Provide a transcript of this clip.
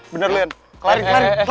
bener lu ya kelarin